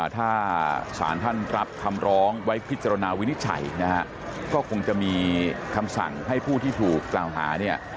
ถ้าศาลท่านรับคำร้องไว้พิจารณาวินิจฉัยนะฮะก็คงจะมีคำสั่งให้ผู้ที่ถูกกล่าวหาเนี่ย